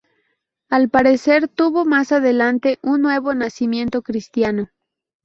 Al parecer tuvo más adelante un nuevo nacimiento cristiano.